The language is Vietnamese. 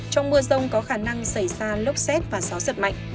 trong mưa rông có khả năng xảy ra lốc xét và gió giật mạnh